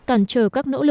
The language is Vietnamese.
cản trở các nỗ lực tái khởi